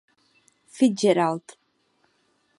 Fitzgerald.